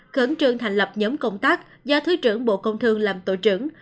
khẩn trương thành lập nhóm công tác do thứ trưởng bộ công thương làm tổ trưởng